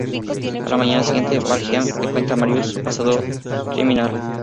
A la mañana siguiente, Valjean le cuenta a Marius su pasado criminal.